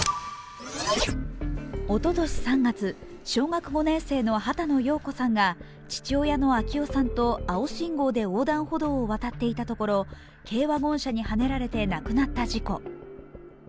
おととし３月小学５年生の波田野耀子さんが父親の暁生さんと青信号で横断歩道を渡っていたところ軽ワゴン車にはねられて亡くなった事故。